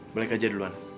balik aja duluan